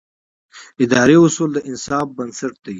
اداري اصول د انصاف بنسټ دی.